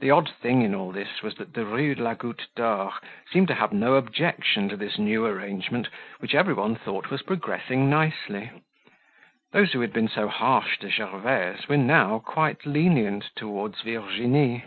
The odd thing in all this was that the Rue de la Goutte d'Or seemed to have no objection to this new arrangement which everyone thought was progressing nicely. Those who had been so harsh to Gervaise were now quite lenient toward Virginie.